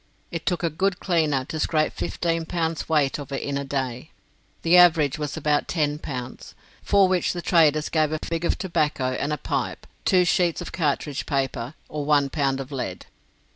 It took a good cleaner to scrape fifteen pounds weight of it in a day; the average was about ten pounds, for which the traders gave a fig of tobacco and a pipe, two sheets of cartridge paper, or one pound of lead.